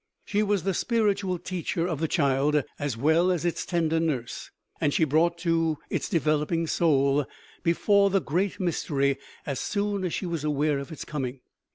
She was the spiritual teacher of the child, as well as its tender nurse, and she brought its developing soul before the "Great Mystery" as soon as she was aware of its coming.